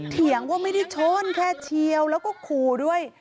เถียงว่าไม่ได้ชนแค่เชียวแล้วก็ขู่ด้วย